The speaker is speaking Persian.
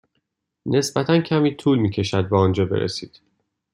نسبتا کمی طول می کشد به آنجا برسید.